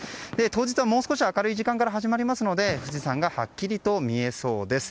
当日はもう少し明るい時間から始まりますので富士山がはっきりと見えそうです。